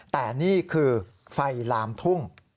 แต่นี่คือไฟลามทุ่ง